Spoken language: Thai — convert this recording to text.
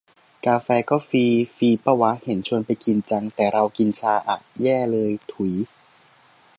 กาแฟก็ฟรี ฟรีปะวะ เห็นชวนไปกินจัง แต่เรากินชาอะ แย่เลย ถุย